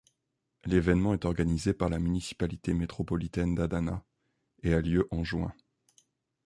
L'événement est organisé par la municipalité métropolitaine d'Adana et a lieu en juin.